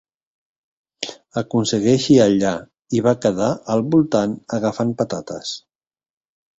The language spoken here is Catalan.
Aconsegueixi allà, i va quedar al voltant, agafant patates.